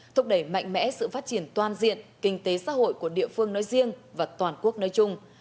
thúc đẩy mạnh mẽ sự phát triển toàn diện kinh tế xã hội của địa phương nói riêng và toàn quốc nói chung